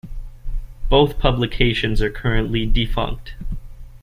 Both publications are currently defunct.